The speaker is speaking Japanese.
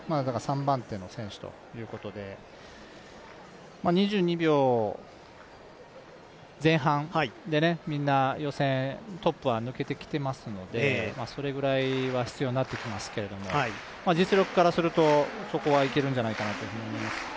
３番手の選手ということで、２２秒前半でみんな予選、トップは抜けてきていますので、それぐらいは必要になってきますけれども実力からすると、そこはいけるんじゃないかなと思います。